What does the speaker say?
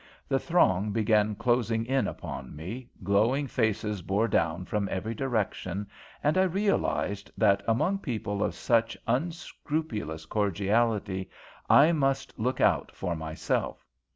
The throng began closing in upon me, glowing faces bore down from every direction, and I realized that, among people of such unscrupulous cordiality, I must look out for myself.